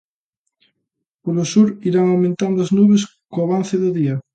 Polo sur irán aumentando as nubes co avance do día.